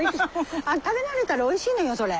食べ慣れたらおいしいのよそれ。